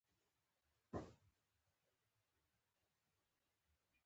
د موسمي کرنې سیستم د اوبو ښه کارونه تضمینوي.